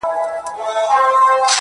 لاس زما مه نيسه چي اور وانـــخــلـې_